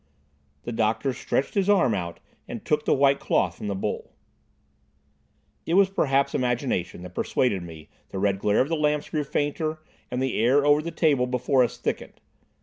The doctor stretched his arm out and took the white cloth from the bowl. It was perhaps imagination that persuaded me the red glare of the lamps grew fainter and the air over the table before us thickened.